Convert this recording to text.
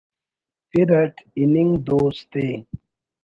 پِر اٹ ہِننگ دوست ءِ